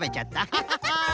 ハハハハ！